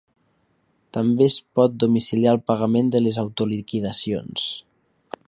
També es pot domiciliar el pagament de les autoliquidacions.